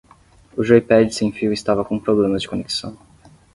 O joypad sem fio estava com problemas de conexão.